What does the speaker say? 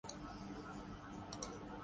اگر وہ Haqqani network کے نکلتے ہیں۔